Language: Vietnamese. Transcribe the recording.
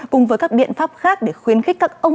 cùng với các biện pháp khác để khuyến khích các ông